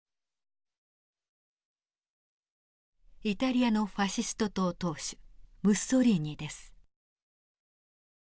イタリアのファシスト党党首ムッソリーニです。